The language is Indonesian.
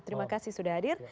terima kasih sudah hadir